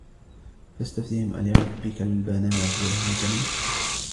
فاستفتهم ألربك البنات ولهم البنون